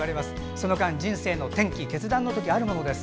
その間、人生の転機、決断の時あるものです。